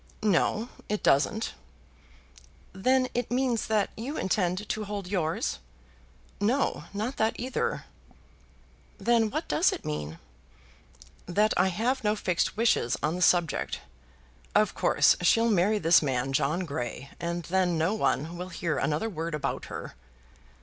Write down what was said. "No, it doesn't." "Then it means that you intend to hold yours." "No; not that either." "Then what does it mean?" "That I have no fixed wishes on the subject. Of course she'll marry this man John Grey, and then no one will hear another word about her."